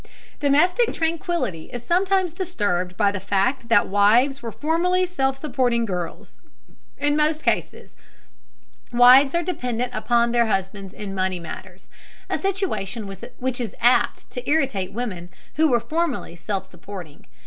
Domestic tranquillity is sometimes disturbed by the fact that wives were formerly self supporting girls. In most cases wives are dependent upon their husbands in money matters, a situation which is apt to irritate women who were formerly self supporting.